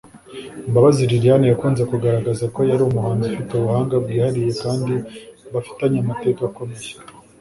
Mbabazi Lilian yakunze kugaragaza ko ‘yari umuhanzi ufite ubuhanga bwihariye kandi bafitanye amateka akomeye’